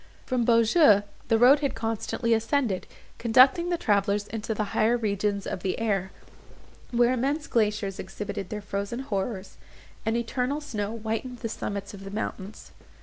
From Beaujeu the road had constantly ascended, conducting the travellers into the higher regions of the air, where immense glaciers exhibited their frozen horrors, and eternal snow whitened the summits of the mountains.